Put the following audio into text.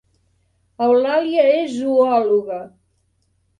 Eulàlia és zoòloga